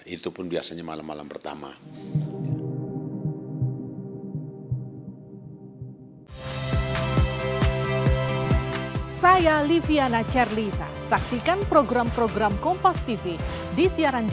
itu pun biasanya malam malam pertama